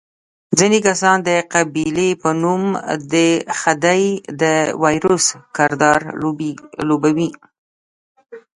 ځینې کسان د قبیلې په نوم د خدۍ د وایروس کردار لوبوي.